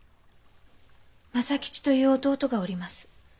政吉という弟がおります。